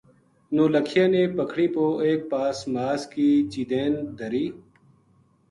نولکھیا نے پکھنی پو ایک پاس ماس کی چیدین دھری